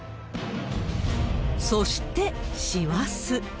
そして師走。